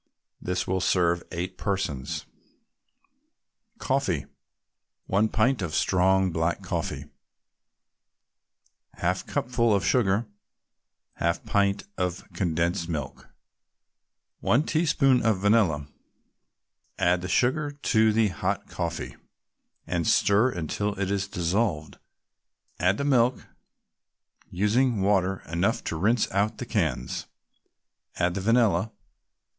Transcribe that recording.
This will serve eight persons. COFFEE 1 pint of strong black coffee 1/2 cupful of sugar 1/2 pint can of condensed milk 1 teaspoonful of vanilla Add the sugar to the hot coffee, and stir until it is dissolved; add the milk, using water enough to rinse out the cans; add the vanilla.